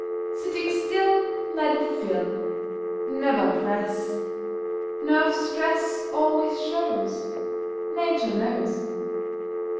Sitting still, Let it fill; Never press; Nerve stress Always shows. Nature knows.